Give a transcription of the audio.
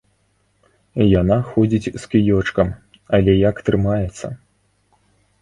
Яна ходзіць з кіёчкам, але як трымаецца!